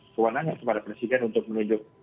kewenangannya kepada presiden untuk menunjuk